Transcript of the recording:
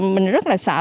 mình rất là sợ